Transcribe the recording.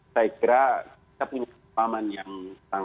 bahwa kalau terjadi ada polarisasi dalam hal pemilihan umum akan datang